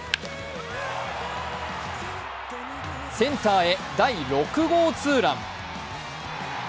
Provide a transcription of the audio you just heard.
センターへ第６号ツーラン。